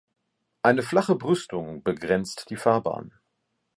Eine flache Brüstung begrenzt die Fahrbahn.